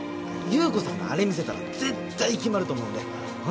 侑子さんのあれ見せたら絶対決まると思うんでお願いします。